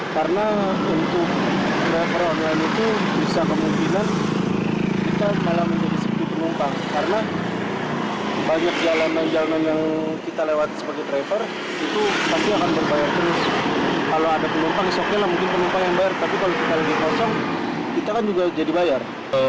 kalau ada penerapan isoknya lah mungkin penerapan yang bayar tapi kalau kita lagi kosong kita kan juga jadi bayar